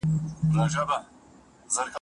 په ټولنه کي د نظم د راوستلو هڅه وکړه.